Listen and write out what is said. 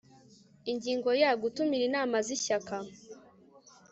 ingingo ya gutumira inama z ishyaka